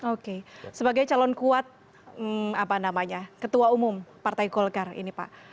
oke sebagai calon kuat apa namanya ketua umum partai golgar ini pak